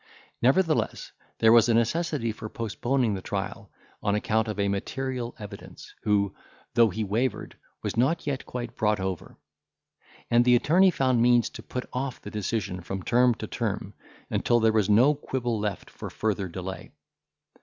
Nevertheless, there was a necessity for postponing the trial, on account of a material evidence, who, though he wavered, was not yet quite brought over; and the attorney found means to put off the decision from term to term, until there was no quibble left for further delay.